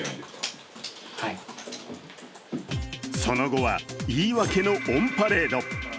その後は、いいわけのオンパレード。